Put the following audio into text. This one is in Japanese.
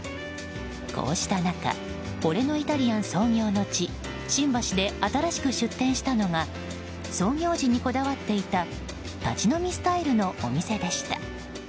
こうした中、俺のイタリアン創業の地・新橋で新しく出店したのが創業時にこだわっていた立ち飲みスタイルのお店でした。